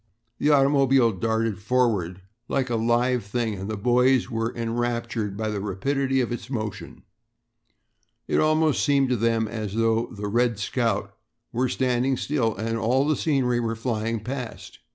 The automobile darted forward like a live thing and the boys were enraptured by the rapidity of its motion. It almost seemed to them as though the "Red Scout" were standing still and all the scenery were flying past.